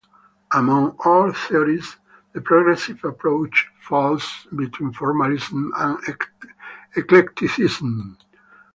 Among art theories, the progressive approach falls between formalism and eclecticism.